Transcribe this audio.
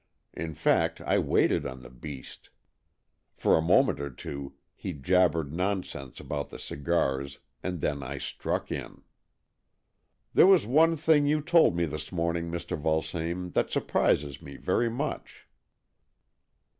In fact, I waited on the beast. For a moment or two he jabbered nonsense about the cigars, and then I struck in. " There was one thing you told me this morning, Mr. Vulsame, that surprises me very much."